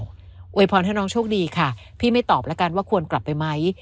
อวยพรให้น้องโชคดีค่ะพี่ไม่ตอบแล้วกันว่าควรกลับไปไหม